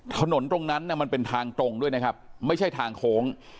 ถนนตรงนั้นน่ะมันเป็นทางตรงด้วยนะครับไม่ใช่ทางโค้ง